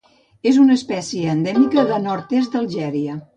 És una espècie endèmica del nord-est d'Algèria.